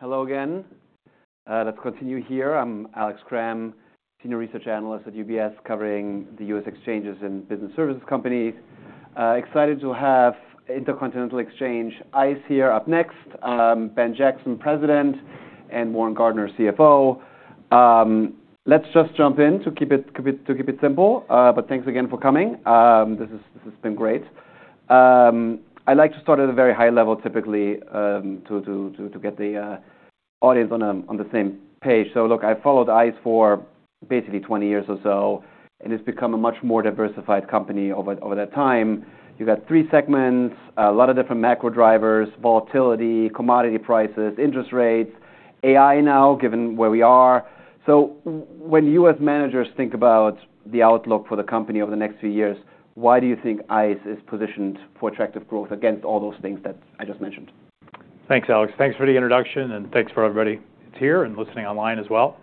All right. Hello again. Let's continue here. I'm Alex Kramm, Senior Research Analyst at UBS, covering the U.S. exchanges and business services companies. Excited to have Intercontinental Exchange ICE here up next. Ben Jackson, President, and Warren Gardiner, CFO. Let's just jump in to keep it simple. But thanks again for coming. This has been great. I like to start at a very high level, typically, to get the audience on the same page. So, look, I followed ICE for basically 20 years or so, and it's become a much more diversified company over that time. You got three segments, a lot of different macro drivers: volatility, commodity prices, interest rates, AI now, given where we are. So when U.S. managers think about the outlook for the company over the next few years, why do you think ICE is positioned for attractive growth against all those things that I just mentioned? Thanks, Alex. Thanks for the introduction, and thanks for everybody that's here and listening online as well.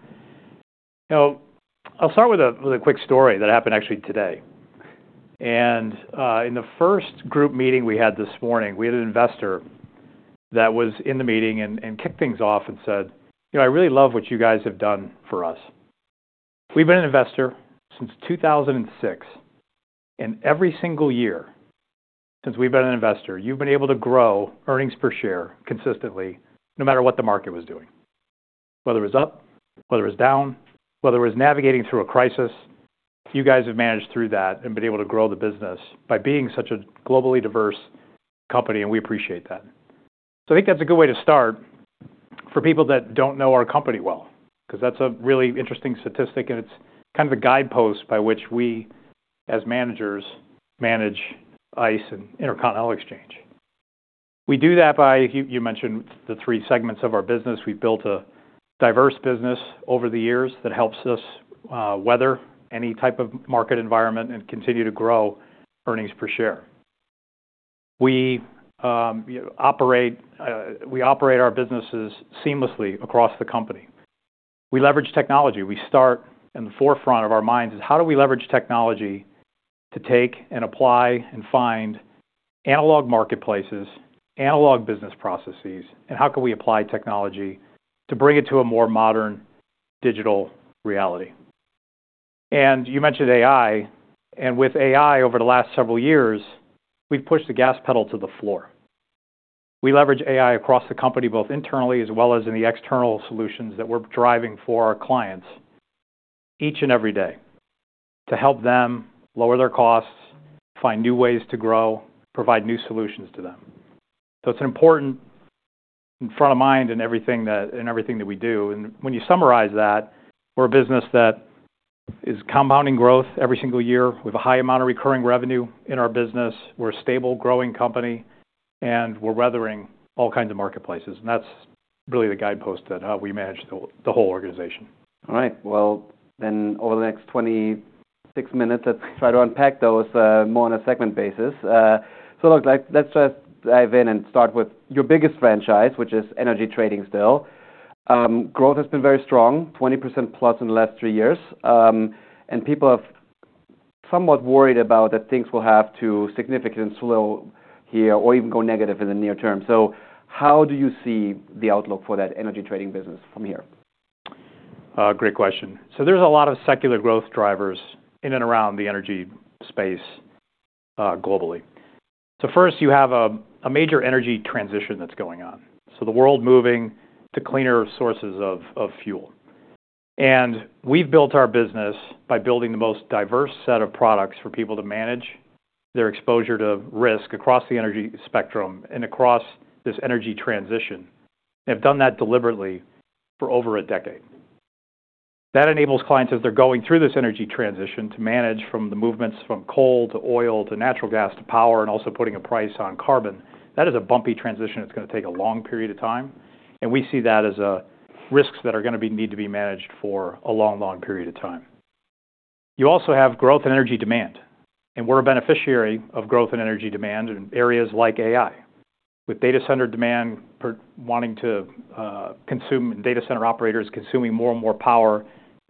You know, I'll start with a quick story that happened actually today. In the first group meeting we had this morning, we had an investor that was in the meeting and kicked things off and said, "You know, I really love what you guys have done for us. We've been an investor since 2006, and every single year since we've been an investor, you've been able to grow earnings per share consistently, no matter what the market was doing, whether it was up, whether it was down, whether it was navigating through a crisis. You guys have managed through that and been able to grow the business by being such a globally diverse company, and we appreciate that. So I think that's a good way to start for people that don't know our company well, 'cause that's a really interesting statistic, and it's kind of a guidepost by which we, as managers, manage ICE and Intercontinental Exchange. We do that by you mentioned the three segments of our business. We've built a diverse business over the years that helps us weather any type of market environment and continue to grow earnings per share. We, you know, operate our businesses seamlessly across the company. We leverage technology. We start. In the forefront of our minds is how do we leverage technology to take and apply and find analog marketplaces, analog business processes, and how can we apply technology to bring it to a more modern digital reality? And you mentioned AI, and with AI over the last several years, we've pushed the gas pedal to the floor. We leverage AI across the company, both internally as well as in the external solutions that we're driving for our clients each and every day to help them lower their costs, find new ways to grow, provide new solutions to them. So it's important in front of mind and everything that we do. And when you summarize that, we're a business that is compounding growth every single year. We have a high amount of recurring revenue in our business. We're a stable, growing company, and we're weathering all kinds of marketplaces, and that's really the guidepost that we manage the whole organization. All right. Well, then over the next 26 minutes, let's try to unpack those, more on a segment basis, so look, like, let's just dive in and start with your biggest franchise, which is energy trading still. Growth has been very strong, 20% plus in the last three years, and people have somewhat worried about that things will have to significantly slow here or even go negative in the near term. So how do you see the outlook for that energy trading business from here? Great question. So there's a lot of secular growth drivers in and around the energy space, globally. So first, you have a major energy transition that's going on. So the world moving to cleaner sources of fuel. And we've built our business by building the most diverse set of products for people to manage their exposure to risk across the energy spectrum and across this energy transition. They've done that deliberately for over a decade. That enables clients, as they're going through this energy transition, to manage from the movements from coal to oil to natural gas to power, and also putting a price on carbon. That is a bumpy transition. It's gonna take a long period of time, and we see that as risks that are gonna need to be managed for a long, long period of time. You also have growth and energy demand, and we're a beneficiary of growth and energy demand in areas like AI, with data center demand. Data center operators consuming more and more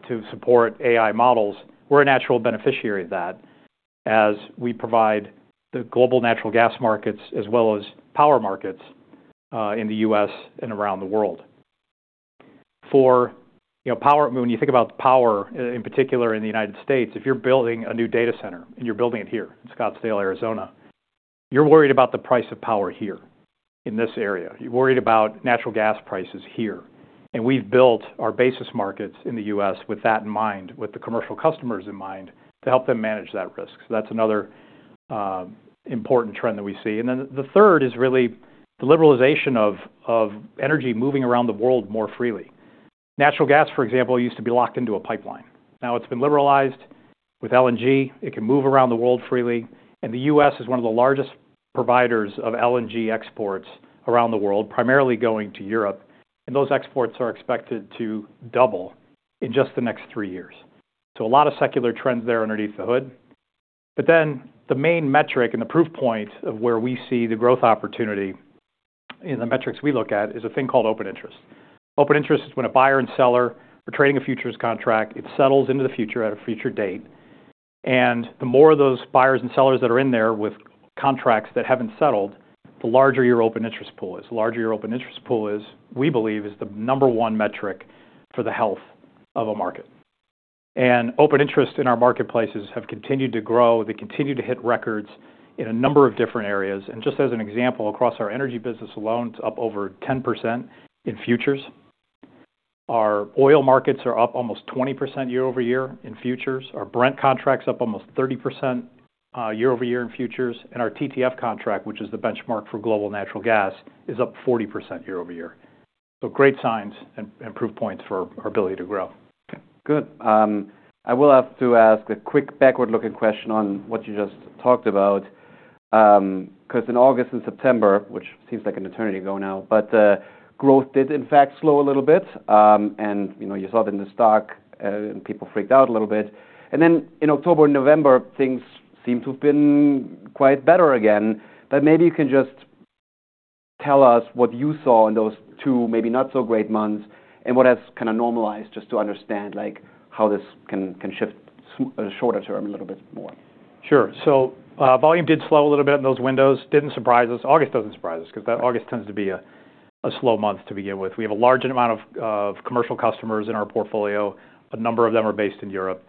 power to support AI models. We're a natural beneficiary of that as we provide the global natural gas markets as well as power markets, in the U.S. and around the world. You know, for power, when you think about power, in particular in the United States, if you're building a new data center and you're building it here in Scottsdale, Arizona, you're worried about the price of power here in this area. You're worried about natural gas prices here. And we've built our basis markets in the U.S. with that in mind, with the commercial customers in mind, to help them manage that risk. So that's another important trend that we see. Then the third is really the liberalization of energy moving around the world more freely. Natural gas, for example, used to be locked into a pipeline. Now it's been liberalized with LNG. It can move around the world freely. The U.S. is one of the largest providers of LNG exports around the world, primarily going to Europe. Those exports are expected to double in just the next three years. A lot of secular trends there underneath the hood. The main metric and the proof point of where we see the growth opportunity in the metrics we look at is a thing called open interest. Open interest is when a buyer and seller are trading a futures contract. It settles into the future at a future date. The more of those buyers and sellers that are in there with contracts that haven't settled, the larger your open interest pool is. The larger your open interest pool is, we believe, is the number one metric for the health of a market. Open interest in our marketplaces have continued to grow. They continue to hit records in a number of different areas. Just as an example, across our energy business alone, it's up over 10% in futures. Our oil markets are up almost 20% year-over-year in futures. Our Brent contract's up almost 30%, year-over-year in futures. Our TTF contract, which is the benchmark for global natural gas, is up 40% year-over-year. So great signs and, and proof points for our ability to grow. Good. I will have to ask a quick backward-looking question on what you just talked about, 'cause in August and September, which seems like an eternity ago now, but growth did, in fact, slow a little bit. And, you know, you saw it in the stock, and people freaked out a little bit. And then in October and November, things seem to have been quite better again. But maybe you can just tell us what you saw in those two, maybe not so great months, and what has kinda normalized, just to understand, like, how this can shift so shorter term a little bit more. Sure. So, volume did slow a little bit in those windows. Didn't surprise us. August doesn't surprise us 'cause that August tends to be a slow month to begin with. We have a large amount of commercial customers in our portfolio. A number of them are based in Europe.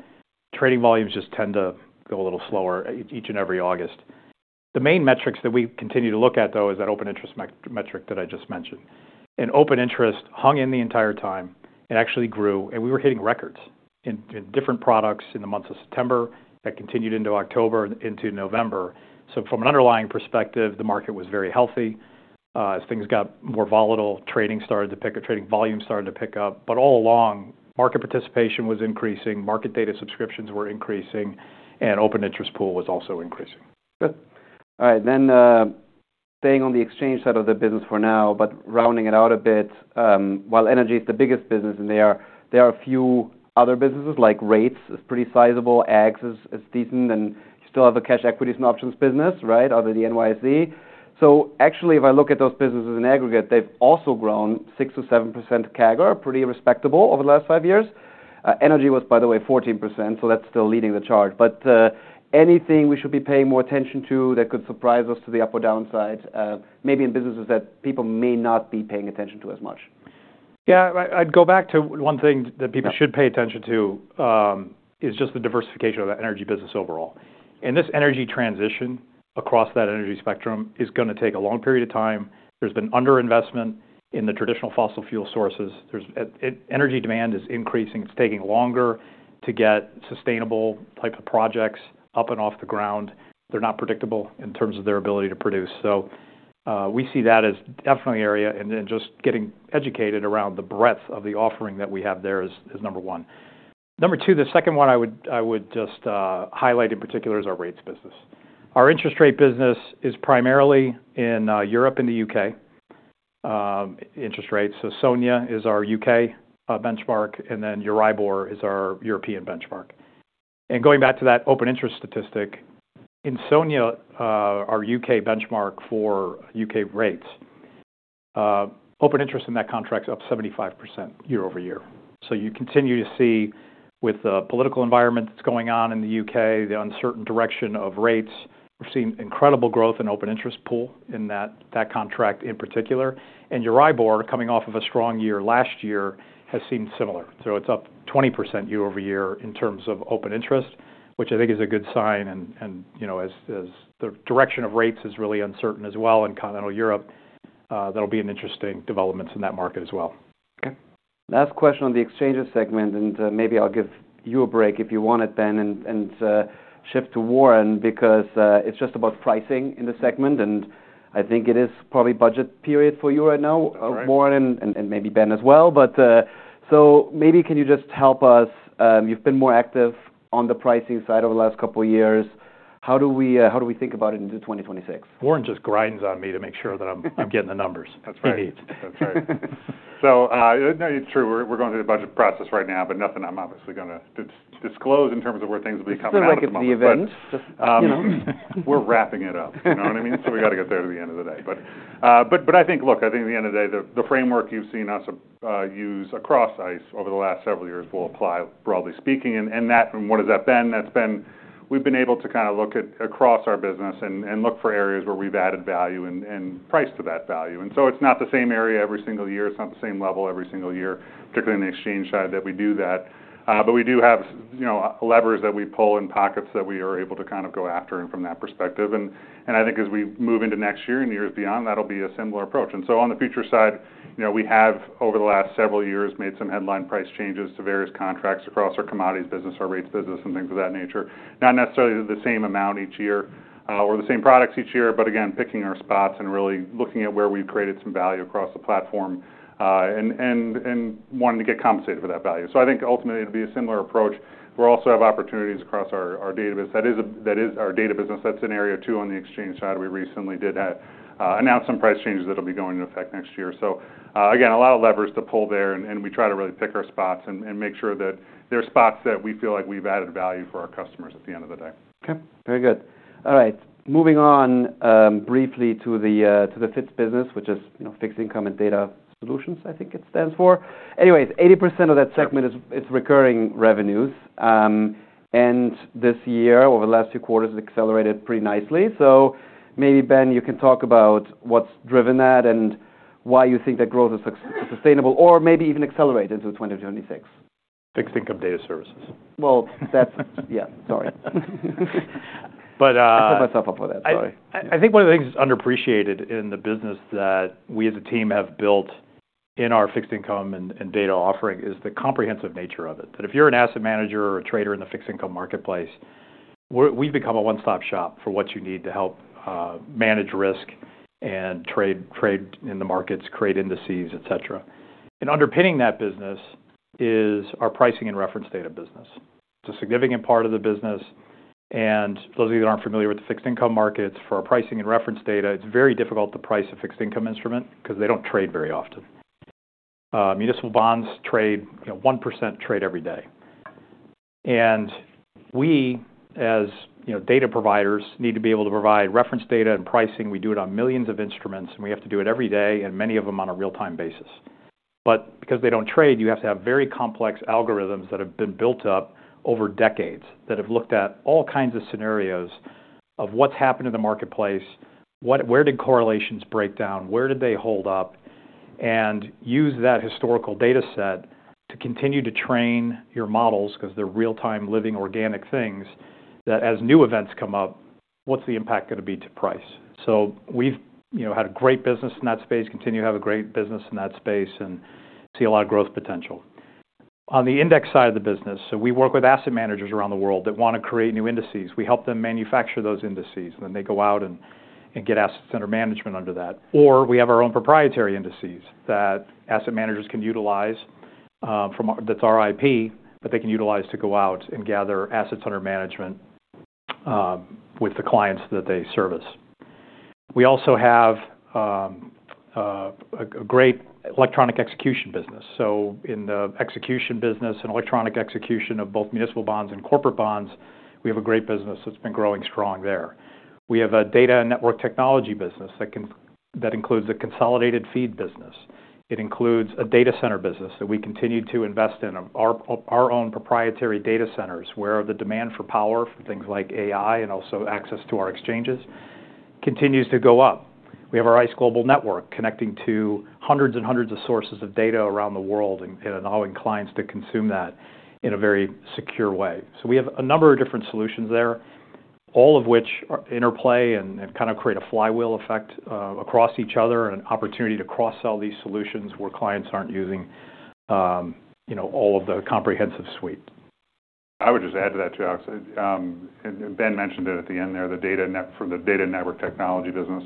Trading volumes just tend to go a little slower each and every August. The main metrics that we continue to look at, though, is that open interest metric that I just mentioned. And open interest hung in the entire time. It actually grew, and we were hitting records in different products in the months of September that continued into October and into November. So from an underlying perspective, the market was very healthy. As things got more volatile, trading started to pick up. Trading volume started to pick up. But all along, market participation was increasing. Market data subscriptions were increasing, and open interest pool was also increasing. Good. All right, then, staying on the exchange side of the business for now, but rounding it out a bit, while energy's the biggest business and there are a few other businesses, like Rates is pretty sizable. AGS is decent, and you still have a cash equities and options business, right, under the NYSE. So actually, if I look at those businesses in aggregate, they've also grown 6%-7% CAGR, pretty respectable over the last five years. Energy was, by the way, 14%, so that's still leading the charge. Anything we should be paying more attention to that could surprise us to the up or down side, maybe in businesses that people may not be paying attention to as much? Yeah. I'd go back to one thing that people should pay attention to, is just the diversification of the energy business overall. And this energy transition across that energy spectrum is gonna take a long period of time. There's been underinvestment in the traditional fossil fuel sources. There's an energy demand is increasing. It's taking longer to get sustainable types of projects up and off the ground. They're not predictable in terms of their ability to produce. So, we see that as definitely an area and just getting educated around the breadth of the offering that we have there is number one. Number two, the second one I would just highlight in particular is our rates business. Our interest rate business is primarily in Europe and the UK, interest rates. So Sonia is our UK benchmark, and then Euribor is our European benchmark. Going back to that open interest statistic, in Sonia, our U.K. benchmark for U.K. rates, open interest in that contract's up 75% year-over-year. So you continue to see, with the political environment that's going on in the U.K., the uncertain direction of rates, we've seen incredible growth in open interest in that contract in particular. Euribor, coming off of a strong year-last-year, has seen similar. So it's up 20% year-over-year in terms of open interest, which I think is a good sign. You know, as the direction of rates is really uncertain as well in continental Europe, that'll be an interesting development in that market as well. Okay. Last question on the exchange segment, and maybe I'll give you a break if you want it, Ben, and shift to Warren because it's just about pricing in the segment. And I think it is probably budget period for you right now, Warren, and maybe Ben as well. But so maybe can you just help us? You've been more active on the pricing side over the last couple of years. How do we think about it into 2026? Warren just grinds on me to make sure that I'm getting the numbers he needs. That's right. That's right. So, no, it's true. We're going through the budget process right now, but nothing I'm obviously gonna disclose in terms of where things will be coming out of the budget. It's not like it's the event. You know, we're wrapping it up. You know what I mean? So we gotta get there at the end of the day. But I think, look, I think at the end of the day, the framework you've seen us use across ICE over the last several years will apply broadly speaking. And that, what has that been? That's been we've been able to kinda look at across our business and look for areas where we've added value and priced to that value. And so it's not the same area every single year. It's not the same level every single year, particularly in the exchange side that we do that. But we do have, you know, levers that we pull and pockets that we are able to kind of go after and from that perspective. I think as we move into next year and years beyond, that'll be a similar approach. So on the futures side, you know, we have over the last several years made some headline price changes to various contracts across our commodities business, our rates business, and things of that nature. Not necessarily the same amount each year, or the same products each year, but again, picking our spots and really looking at where we've created some value across the platform, and wanting to get compensated for that value. So I think ultimately it'll be a similar approach. We'll also have opportunities across our data that is our data business. That's an area too on the exchange side we recently did announce some price changes that'll be going into effect next year. So, again, a lot of levers to pull there, and we try to really pick our spots and make sure that there are spots that we feel like we've added value for our customers at the end of the day. Okay. Very good. All right. Moving on, briefly to the fixed business, which is, you know, fixed income and data solutions, I think it stands for. Anyways, 80% of that segment is recurring revenues, and this year, over the last few quarters, it accelerated pretty nicely. So maybe, Ben, you can talk about what's driven that and why you think that growth is sustainable or maybe even accelerated into 2026. Fixed Income Data Services. Well, that's yeah. Sorry. But, I'll put myself up for that. I think one of the things that's underappreciated in the business that we as a team have built in our fixed income and data offering is the comprehensive nature of it. That if you're an asset manager or a trader in the fixed income marketplace, we've become a one-stop shop for what you need to help manage risk and trade in the markets, create indices, etc. And underpinning that business is our pricing and reference data business. It's a significant part of the business. And for those of you that aren't familiar with the fixed income markets, for our pricing and reference data, it's very difficult to price a fixed income instrument 'cause they don't trade very often. Municipal bonds trade, you know, 1% trade every day. And we, as you know, data providers, need to be able to provide reference data and pricing. We do it on millions of instruments, and we have to do it every day and many of them on a real-time basis. But because they don't trade, you have to have very complex algorithms that have been built up over decades that have looked at all kinds of scenarios of what's happened in the marketplace, what, where did correlations break down, where did they hold up, and use that historical data set to continue to train your models 'cause they're real-time living organic things that as new events come up, what's the impact gonna be to price? So we've, you know, had a great business in that space, continue to have a great business in that space, and see a lot of growth potential. On the index side of the business, so we work with asset managers around the world that wanna create new indices. We help them manufacture those indices, and then they go out and get assets under management under that. Or we have our own proprietary indices that asset managers can utilize, from our that's our IP, but they can utilize to go out and gather assets under management, with the clients that they service. We also have a great electronic execution business. So in the execution business and electronic execution of both municipal bonds and corporate bonds, we have a great business that's been growing strong there. We have a data and network technology business that includes a Consolidated Feeds business. It includes a data center business that we continue to invest in, our own proprietary data centers where the demand for power for things like AI and also access to our exchanges continues to go up. We have our ICE Global Network connecting to hundreds and hundreds of sources of data around the world and allowing clients to consume that in a very secure way. So we have a number of different solutions there, all of which are interplay and kinda create a flywheel effect across each other and an opportunity to cross-sell these solutions where clients aren't using, you know, all of the comprehensive suite. I would just add to that, too, Alex, and Ben mentioned it at the end there, the data net for the data network technology business.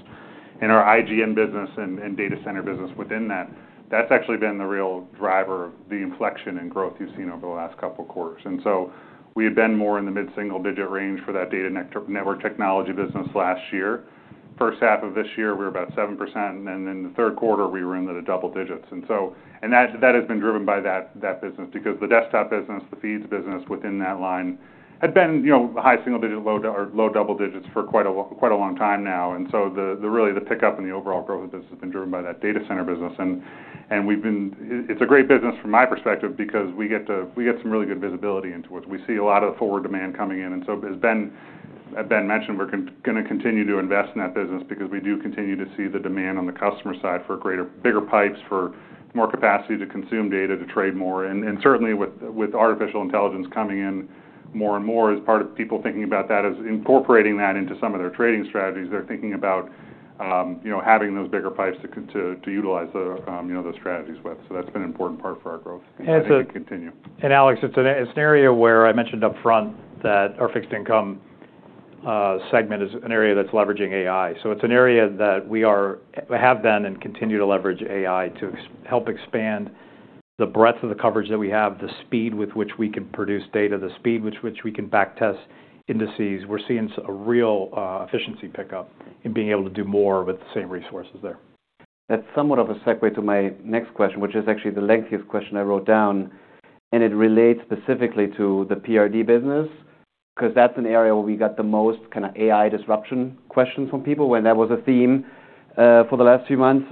In our IGN business and data center business within that, that's actually been the real driver of the inflection in growth you've seen over the last couple of quarters. And so we had been more in the mid-single-digit range for that data network, network technology business last year. First half of this year, we were about 7%, and then in the third quarter, we were into the double digits. And so, and that has been driven by that business because the desktop business, the feeds business within that line had been, you know, high single-digit, low double digits for quite a long time now. And so the really the pickup and the overall growth of this has been driven by that data center business. It's a great business from my perspective because we get some really good visibility into it. We see a lot of the forward demand coming in. And so as Ben mentioned, we're gonna continue to invest in that business because we do continue to see the demand on the customer side for greater, bigger pipes for more capacity to consume data, to trade more. And certainly with artificial intelligence coming in more and more as part of people thinking about that as incorporating that into some of their trading strategies, they're thinking about, you know, having those bigger pipes to utilize the, you know, those strategies with. So that's been an important part for our growth. And so. So to continue. Alex, it's an area where I mentioned upfront that our fixed income segment is an area that's leveraging AI. So it's an area that we have been and continue to leverage AI to help expand the breadth of the coverage that we have, the speed with which we can produce data, the speed with which we can backtest indices. We're seeing a real efficiency pickup in being able to do more with the same resources there. That's somewhat of a segue to my next question, which is actually the lengthiest question I wrote down, and it relates specifically to the PRD business 'cause that's an area where we got the most kinda AI disruption questions from people when that was a theme, for the last few months.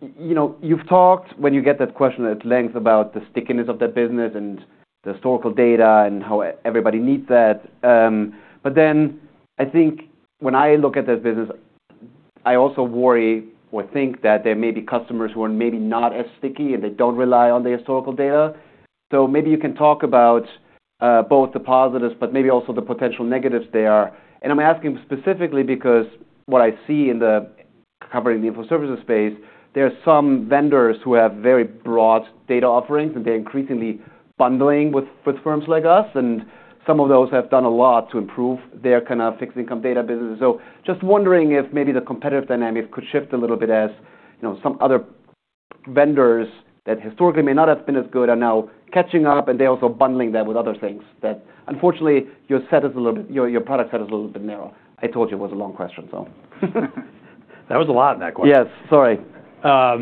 So, you know, you've talked when you get that question at length about the stickiness of that business and the historical data and how everybody needs that. But then I think when I look at this business, I also worry or think that there may be customers who are maybe not as sticky and they don't rely on the historical data. So maybe you can talk about, both the positives, but maybe also the potential negatives there. And I'm asking specifically because what I see in covering the info services space, there are some vendors who have very broad data offerings and they're increasingly bundling with, with firms like us, and some of those have done a lot to improve their kinda fixed income data businesses. So just wondering if maybe the competitive dynamic could shift a little bit as, you know, some other vendors that historically may not have been as good are now catching up and they're also bundling that with other things that unfortunately your set is a little bit, your, your product set is a little bit narrow. I told you it was a long question, so. That was a lot in that question. Yes. Sorry. Let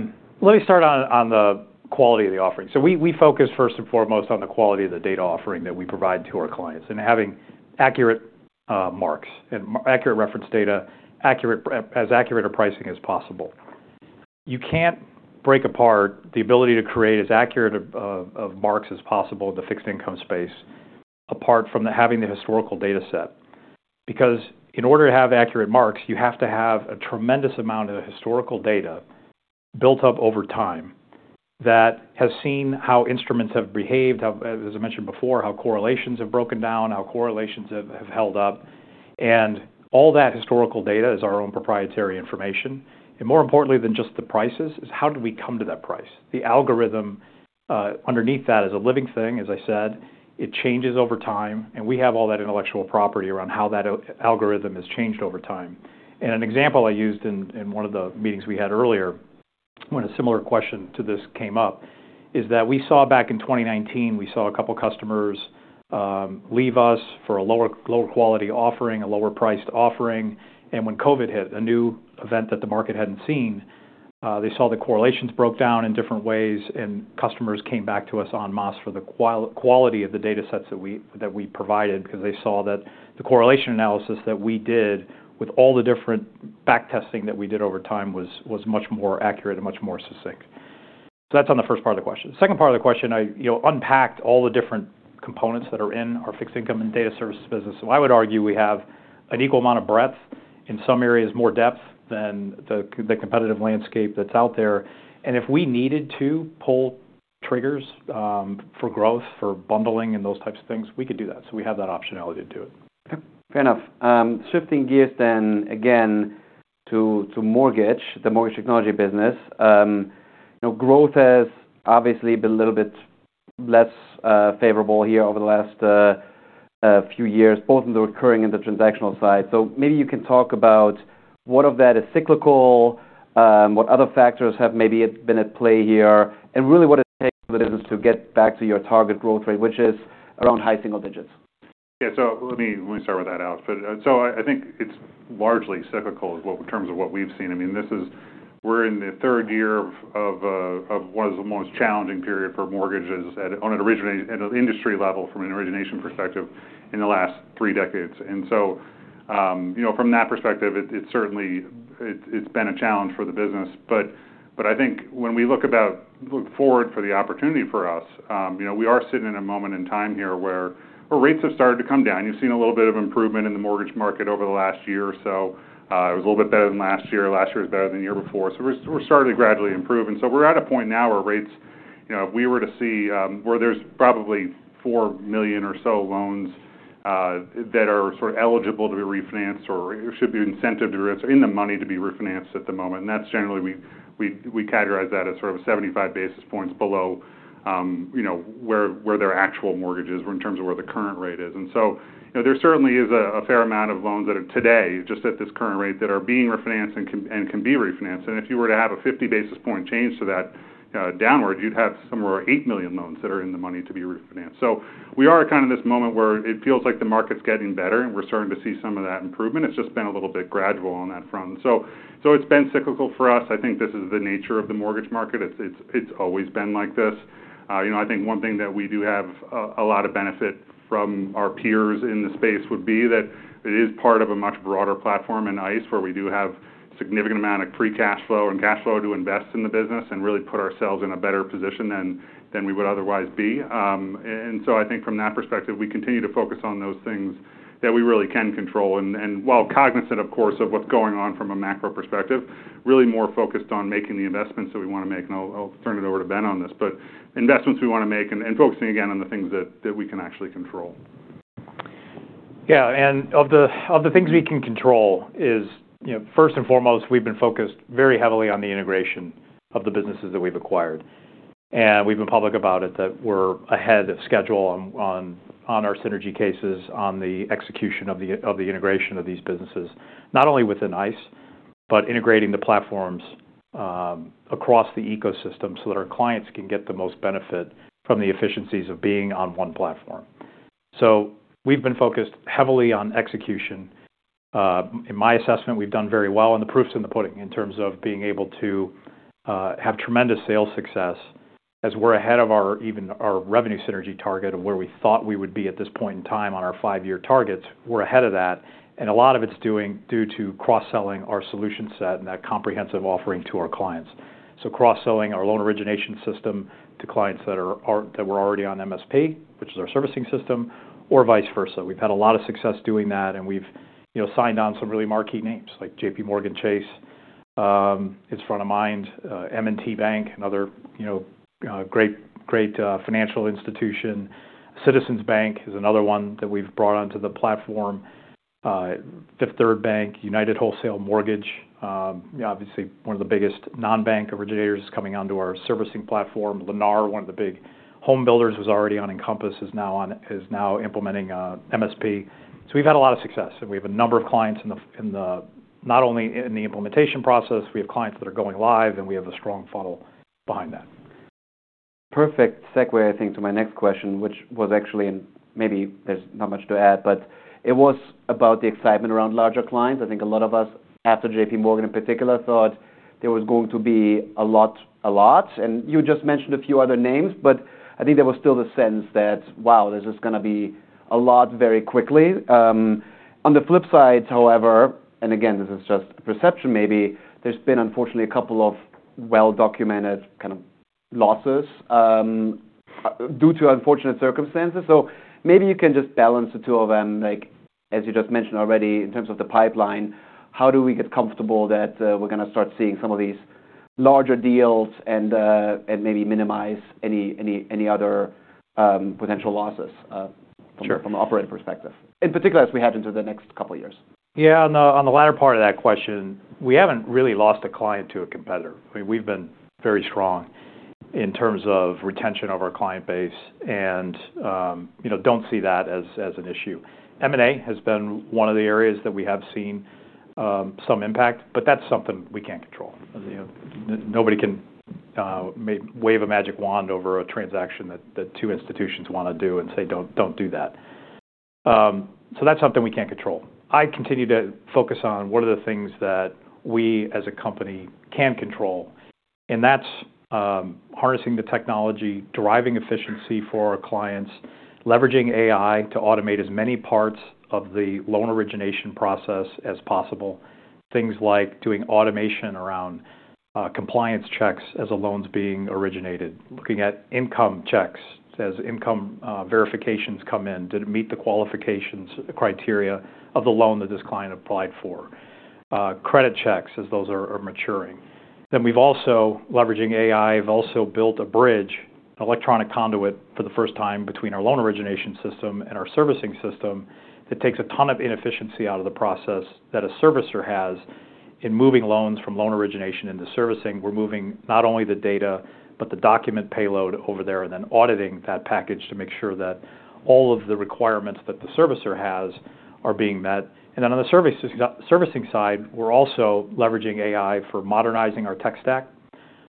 me start on the quality of the offering. So we focus first and foremost on the quality of the data offering that we provide to our clients and having accurate marks and accurate reference data, accurate a pricing as possible. You can't break apart the ability to create as accurate of marks as possible in the fixed income space apart from having the historical data set because in order to have accurate marks, you have to have a tremendous amount of historical data built up over time that has seen how instruments have behaved, as I mentioned before, how correlations have broken down, how correlations have held up. And all that historical data is our own proprietary information. And more importantly than just the prices is how did we come to that price? The algorithm underneath that is a living thing. As I said, it changes over time, and we have all that intellectual property around how that algorithm has changed over time, and an example I used in one of the meetings we had earlier when a similar question to this came up is that we saw back in 2019, we saw a couple customers leave us for a lower quality offering, a lower priced offering, and when COVID hit, a new event that the market hadn't seen, they saw the correlations broke down in different ways, and customers came back to us en masse for the quality of the data sets that we provided because they saw that the correlation analysis that we did with all the different backtesting that we did over time was much more accurate and much more succinct. So that's on the first part of the question. The second part of the question, I, you know, unpacked all the different components that are in our fixed income and data services business. I would argue we have an equal amount of breadth in some areas, more depth than the competitive landscape that's out there. And if we needed to pull triggers, for growth, for bundling and those types of things, we could do that. So we have that optionality to do it. Okay. Fair enough. Shifting gears then again to the mortgage technology business, you know, growth has obviously been a little bit less favorable here over the last few years, both in the recurring and the transactional side. So maybe you can talk about what of that is cyclical, what other factors have maybe been at play here, and really what it takes for the business to get back to your target growth rate, which is around high single digits. Yeah. So let me start with that, Alex. But I think it's largely cyclical, in terms of what we've seen. I mean, this is, we're in the third year of one of the most challenging period for mortgages at an industry level from an origination perspective in the last three decades. And so, you know, from that perspective, it certainly has been a challenge for the business. But I think when we look forward to the opportunity for us, you know, we are sitting in a moment in time here where our rates have started to come down. You've seen a little bit of improvement in the mortgage market over the last year or so. It was a little bit better than last year. Last year was better than the year before. We're starting to gradually improve. We're at a point now where rates, you know, if we were to see where there's probably four million or so loans that are sort of eligible to be refinanced or should be incentive to refinance or in the money to be refinanced at the moment. That's generally we categorize that as sort of 75 basis points below, you know, where their actual mortgages were in terms of where the current rate is. There certainly is a fair amount of loans that are today just at this current rate that are being refinanced and can be refinanced. If you were to have a 50 basis point change to that, downward, you'd have somewhere around eight million loans that are in the money to be refinanced. So we are kinda in this moment where it feels like the market's getting better, and we're starting to see some of that improvement. It's just been a little bit gradual on that front. It's been cyclical for us. I think this is the nature of the mortgage market. It's always been like this. You know, I think one thing that we do have, a lot of benefit from our peers in the space would be that it is part of a much broader platform in ICE where we do have a significant amount of free cash flow and cash flow to invest in the business and really put ourselves in a better position than we would otherwise be. And so I think from that perspective, we continue to focus on those things that we really can control. While cognizant, of course, of what's going on from a macro perspective, really more focused on making the investments that we wanna make. I'll turn it over to Ben on this, but investments we wanna make and focusing again on the things that we can actually control. Yeah. And of the things we can control is, you know, first and foremost, we've been focused very heavily on the integration of the businesses that we've acquired. And we've been public about it that we're ahead of schedule on our synergy cases on the execution of the integration of these businesses, not only within ICE, but integrating the platforms across the ecosystem so that our clients can get the most benefit from the efficiencies of being on one platform. So we've been focused heavily on execution. In my assessment, we've done very well on the proofs in the pudding in terms of being able to have tremendous sales success as we're ahead of our revenue synergy target of where we thought we would be at this point in time on our five-year targets. We're ahead of that. And a lot of it's doing due to cross-selling our solution set and that comprehensive offering to our clients. So cross-selling our loan origination system to clients that were already on MSP, which is our servicing system, or vice versa. We've had a lot of success doing that, and we've, you know, signed on some really marquee names like JPMorgan Chase, which is front of mind, M&T Bank and other, you know, great financial institution. Citizens Bank is another one that we've brought onto the platform. Fifth Third Bank, United Wholesale Mortgage, obviously one of the biggest non-bank originators is coming onto our servicing platform. Lennar, one of the big home builders, was already on Encompass, is now implementing MSP. So we've had a lot of success, and we have a number of clients not only in the implementation process. We have clients that are going live, and we have a strong funnel behind that. Perfect segue, I think, to my next question, which was actually in maybe there's not much to add, but it was about the excitement around larger clients. I think a lot of us, after JPMorgan in particular, thought there was going to be a lot, a lot, and you just mentioned a few other names, but I think there was still the sense that, wow, this is gonna be a lot very quickly. On the flip side, however, and again, this is just a perception, maybe there's been unfortunately a couple of well-documented kind of losses, due to unfortunate circumstances, so maybe you can just balance the two of them, like, as you just mentioned already, in terms of the pipeline, how do we get comfortable that, we're gonna start seeing some of these larger deals and, and maybe minimize any, any, any other, potential losses, from. Sure. From the operator perspective, in particular as we head into the next couple of years? Yeah. On the latter part of that question, we haven't really lost a client to a competitor. I mean, we've been very strong in terms of retention of our client base and, you know, don't see that as an issue. M&A has been one of the areas that we have seen some impact, but that's something we can't control. You know, nobody can wave a magic wand over a transaction that two institutions wanna do and say, "Don't do that." So that's something we can't control. I continue to focus on what are the things that we as a company can control, and that's harnessing the technology, driving efficiency for our clients, leveraging AI to automate as many parts of the loan origination process as possible, things like doing automation around compliance checks as a loan's being originated, looking at income checks as income verifications come in, did it meet the qualifications criteria of the loan that this client applied for, credit checks as those are maturing. Then we've also, leveraging AI, have also built a bridge, an electronic conduit for the first time between our loan origination system and our servicing system that takes a ton of inefficiency out of the process that a servicer has in moving loans from loan origination into servicing. We're moving not only the data, but the document payload over there and then auditing that package to make sure that all of the requirements that the servicer has are being met. And then on the servicing, servicing side, we're also leveraging AI for modernizing our tech stack.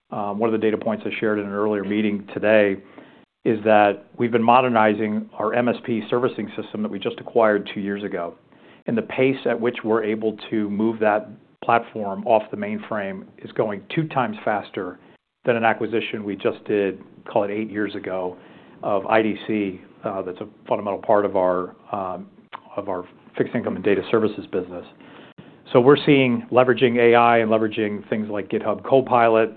One of the data points I shared in an earlier meeting today is that we've been modernizing our MSP servicing system that we just acquired two years ago. And the pace at which we're able to move that platform off the mainframe is going two times faster than an acquisition we just did, call it eight years ago, of IDC, that's a fundamental part of our, of our fixed income and data services business. We're seeing leveraging AI and leveraging things like GitHub Copilot,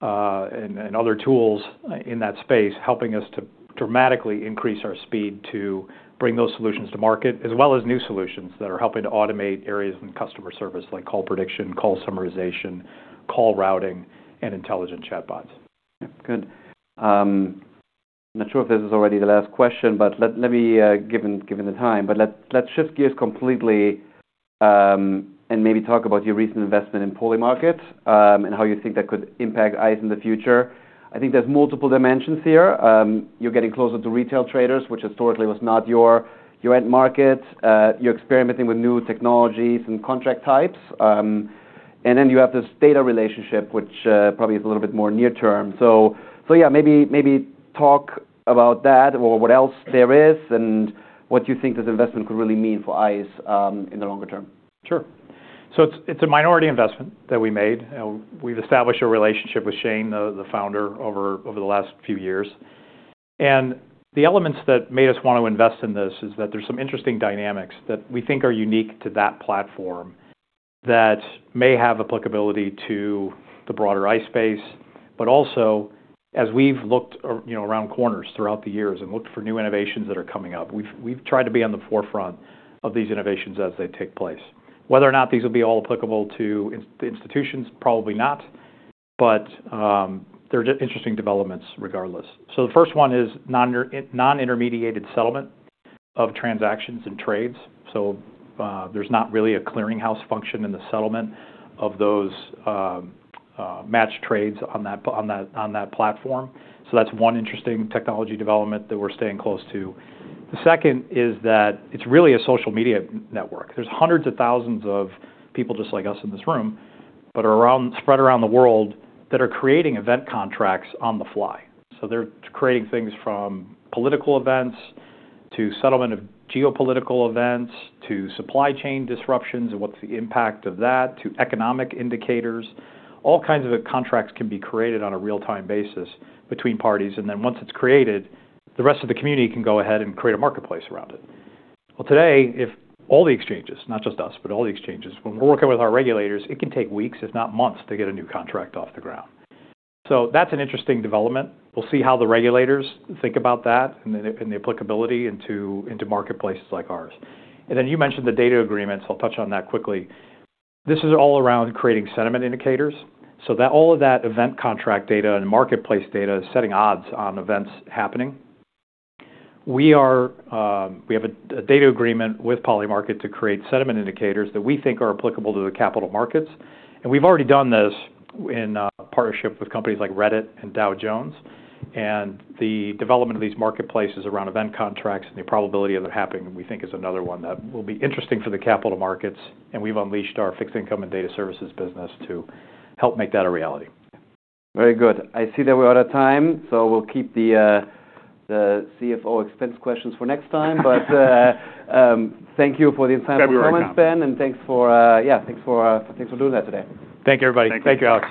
and other tools in that space helping us to dramatically increase our speed to bring those solutions to market, as well as new solutions that are helping to automate areas in customer service like call prediction, call summarization, call routing, and intelligent chatbots. Yeah. Good. Not sure if this is already the last question, but let me, given the time, but let's shift gears completely, and maybe talk about your recent investment in Polymarket, and how you think that could impact ICE in the future. I think there's multiple dimensions here. You're getting closer to retail traders, which historically was not your end market. You're experimenting with new technologies and contract types. And then you have this data relationship, which probably is a little bit more near term. So yeah, maybe talk about that or what else there is and what you think this investment could really mean for ICE in the longer term. Sure. So it's a minority investment that we made. We've established a relationship with Shane, the founder over the last few years. And the elements that made us wanna invest in this is that there's some interesting dynamics that we think are unique to that platform that may have applicability to the broader ICE space. But also, as we've looked, you know, around corners throughout the years and looked for new innovations that are coming up, we've tried to be on the forefront of these innovations as they take place. Whether or not these will be all applicable to the institutions, probably not, but they're interesting developments regardless. So the first one is non-intermediated settlement of transactions and trades. So, there's not really a clearinghouse function in the settlement of those matched trades on that platform. That's one interesting technology development that we're staying close to. The second is that it's really a social media network. There's hundreds of thousands of people just like us in this room, but are around, spread around the world that are creating event contracts on the fly. So they're creating things from political events to settlement of geopolitical events to supply chain disruptions and what's the impact of that to economic indicators. All kinds of contracts can be created on a real-time basis between parties. And then once it's created, the rest of the community can go ahead and create a marketplace around it. Well, today, if all the exchanges, not just us, but all the exchanges, when we're working with our regulators, it can take weeks, if not months, to get a new contract off the ground. So that's an interesting development. We'll see how the regulators think about that and the applicability into marketplaces like ours. And then you mentioned the data agreements. I'll touch on that quickly. This is all around creating sentiment indicators. So that all of that event contract data and marketplace data is setting odds on events happening. We have a data agreement with Polymarket to create sentiment indicators that we think are applicable to the capital markets. And we've already done this in partnership with companies like Reddit and Dow Jones. And the development of these marketplaces around event contracts and the probability of it happening, we think is another one that will be interesting for the capital markets. And we've unleashed our fixed income and data services business to help make that a reality. Very good. I see that we're out of time, so we'll keep the CFO expense questions for next time. But thank you for the insightful comments, Ben. And thanks for, yeah, thanks for doing that today. Thank you, everybody. Thank you, Alex.